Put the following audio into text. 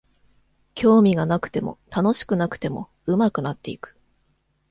興味がなくても楽しくなくても上手くなっていく